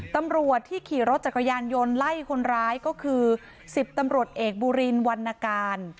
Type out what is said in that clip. ตำรวจที่ขี่รถจักรยานยนต์ไล่คนร้ายก็คือ๑๐ตำรวจเอกบูรินวรรณการ